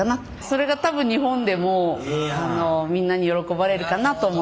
それが多分日本でもみんなに喜ばれるかなと思って。